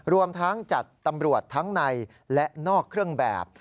รวมทั้งจัดตำรวจทั้งในและนอกเครื่องแบบ